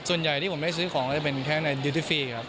ส่วนใหญ่ที่ผมไม่ซื้อของก็จะเป็นแค่ในยูทิฟฟี่ครับ